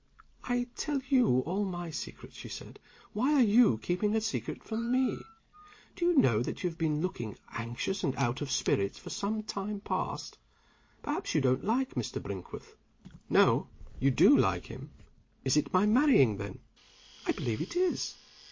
"I tell you all my secrets," she said. "Why are you keeping a secret from me? Do you know that you have been looking anxious and out of spirits for some time past? Perhaps you don't like Mr. Brinkworth? No? you do like him? Is it my marrying, then? I believe it is!